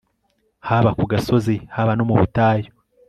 haba ku gasozi, haba no mu butayu